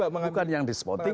bukan yang dispoting